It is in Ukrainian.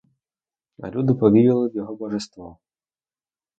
А люди повірили в його божество.